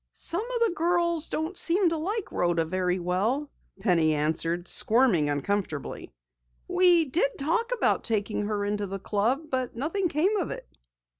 "Some of the girls don't seem to like Rhoda very well," Penny answered, squirming uncomfortably. "We did talk about taking her into the club, but nothing came of it."